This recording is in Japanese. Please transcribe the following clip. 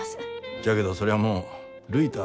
じゃけどそりゃあもうるいたあ